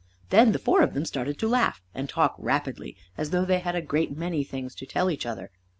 Then the four of them started to laugh and talk rapidly as though they had a great many things to tell each other.